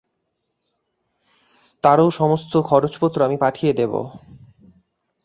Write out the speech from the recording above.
তারও সমস্ত খরচ-পত্র আমি পাঠিয়ে দেব।